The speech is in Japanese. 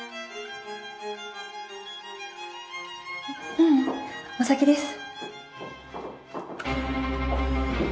ううん。お先です。